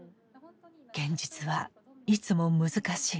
現実はいつも難しい。